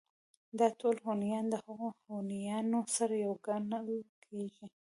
دا ټول هونيان د هغو هونيانو سره يو گڼل کېږي